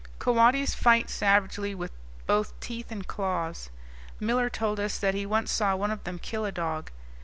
Coatis fight savagely with both teeth and claws. Miller told us that he once saw one of them kill a dog.